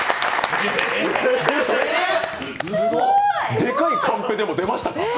でかいカンペでも出ましたか？